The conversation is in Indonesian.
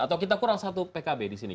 atau kita kurang satu pkb disini